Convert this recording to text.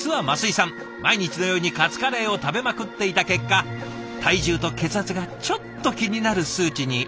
毎日のようにカツカレーを食べまくっていた結果体重と血圧がちょっと気になる数値に。